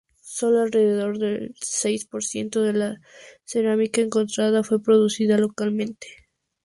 Sólo alrededor seis por ciento de la cerámica encontrada fue producida localmente.